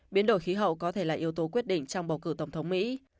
biến đổi khí hậu có thể là yếu tố quyết định trong bầu cử tổng thống mỹ